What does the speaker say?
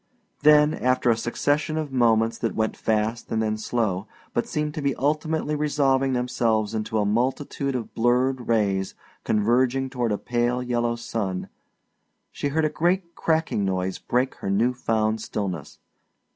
Then after a succession of moments that went fast and then slow, but seemed to be ultimately resolving themselves into a multitude of blurred rays converging toward a pale yellow sun, she heard a great cracking noise break her new found stillness.